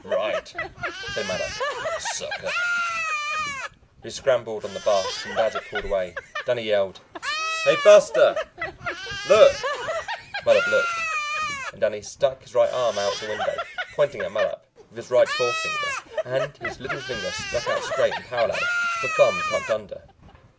"Right," said Mattup. "Sucker." We scrambled on the bus and as it pulled away Danny yelled "Hey, Buster, look!" Mattup looked, and Danny stuck his right arm out the window, pointing at Mattup with his right forefinger and his little finger stuck out straight and parallel, the thumb tucked under.